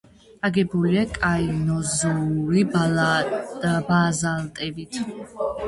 აგებულია კაინოზოური ბაზალტებით.